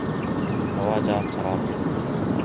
Жалаа жаап, каралап дегендей.